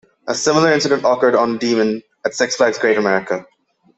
A similar incident occurred on Demon at Six Flags Great America.